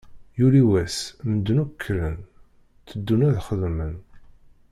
Yuli wass, medden akk kkren, teddun ad xedmen.